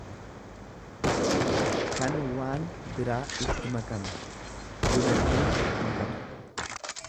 kan waan biraa itti makame; Buna diima makatu.